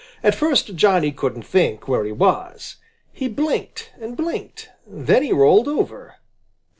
At first Johnny couldn't think where he was. He blinked and blinked. Then he rolled over.